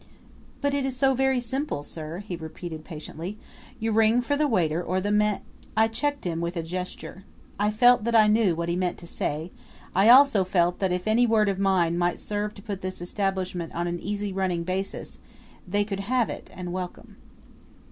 "But it is so very simple, sir," he repeated patiently. "You ring for the waiter or the ma " I checked him with a gesture. I felt that I knew what he meant to say; I also felt that if any word of mine might serve to put this establishment on an easy running basis they could have it and welcome.